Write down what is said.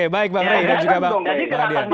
baik bung adrian dan juga bung adrian